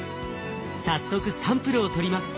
早速サンプルを採ります。